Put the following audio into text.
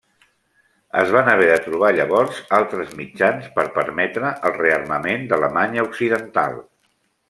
Es van haver de trobar llavors altres mitjans per permetre el rearmament d'Alemanya Occidental.